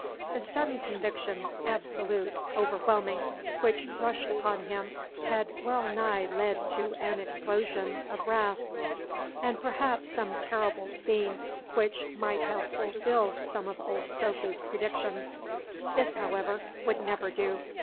The sudden conviction, absolute, overwhelming, which rushed upon him, had well nigh led to an explosion of wrath, and perhaps some terrible scene which might have fulfilled some of old Sophy's predictions. This, however, would never do.